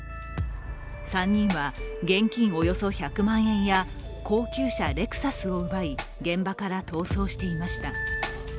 ３人は現金およそ１００万円や高級車レクサスを奪い現場から逃走していました。